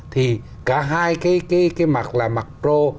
thì cả hai cái mặt là mặt pro